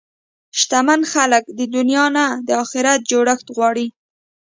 شتمن خلک د دنیا نه د اخرت جوړښت غواړي.